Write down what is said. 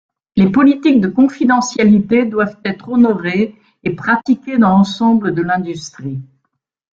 Les politiques de confidentialité doivent être honorées et pratiquées dans l'ensemble de l'industrie.